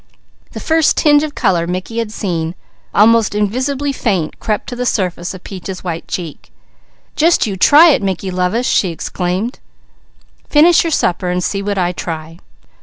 '" The first tinge of colour Mickey had seen, almost invisibly faint, crept to the surface of Peaches' white cheek. "Just you try it, Mickey lovest!" she exclaimed. "Finish your supper, and see what I try."